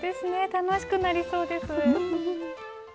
楽しくなりそうです。